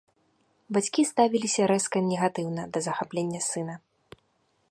Бацькі ставіліся рэзка негатыўна да захаплення сына.